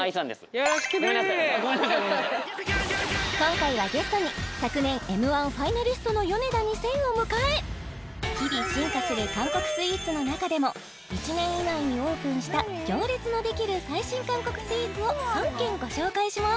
よろしく今回はゲストに昨年Ｍ−１ファイナリストのヨネダ２０００を迎え日々進化する韓国スイーツの中でも１年以内にオープンした行列のできる最新韓国スイーツを３軒ご紹介します